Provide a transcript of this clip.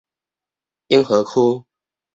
永和區